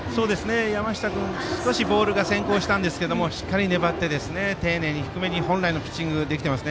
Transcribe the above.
山下君、少しボールが先行しましたがしっかり粘って、丁寧に低めに本来のピッチングができています。